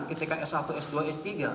ketika s satu s dua s tiga